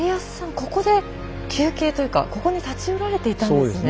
ここで休憩というかここに立ち寄られていたんですね。